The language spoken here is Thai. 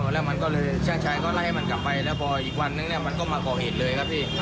แล้วมันก็เลยช่างชายก็ไล่ให้มันกลับไปแล้วพออีกวันนึงมันก็มาก่อเหตุเลยครับพี่